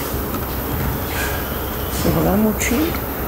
Tebɣam učči?